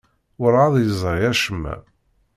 Werɛad yeẓri acemma.